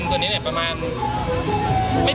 สวัสดีครับดีกว่า